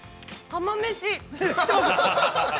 釜飯！